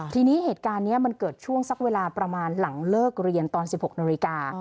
ทีนี้เหตุการณ์นี้มันเกิดช่วงสักเวลาประมาณหลังเลิกเรียนตอน๑๖นาฬิกา